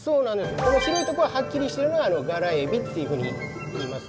この白い所がはっきりしているのがガラエビっていうふうに言いますね。